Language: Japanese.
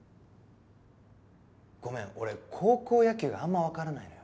ごめん俺高校野球があんまわからないのよ。